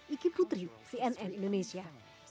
ini adalah pemerintah cnn indonesia